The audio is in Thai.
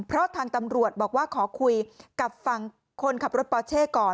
เพราะทางตำรวจบอกว่าขอคุยกับฝั่งคนขับรถปอเช่ก่อน